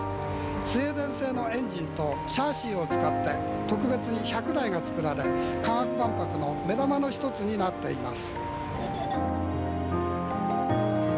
スウェーデン製のエンジンとシャーシを使って特別に１００台が作られ科学万博の目玉の１つになっています。